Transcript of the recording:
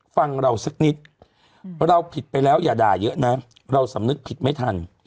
ฟังเราสักนิดเราผิดไปแล้วอย่าด่าเยอะนะเราสำนึกผิดไม่ทัน